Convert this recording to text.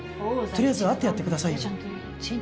とりあえず会ってやってくださいよ